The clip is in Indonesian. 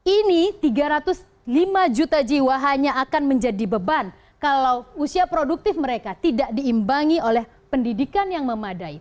ini tiga ratus lima juta jiwa hanya akan menjadi beban kalau usia produktif mereka tidak diimbangi oleh pendidikan yang memadai